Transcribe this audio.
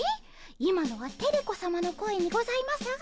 今のはテレ子さまの声にございますが。